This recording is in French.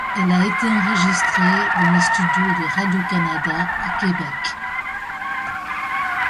Elle a été enregistrée dans les studios de Radio-Canada à Québec.